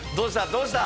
どうした？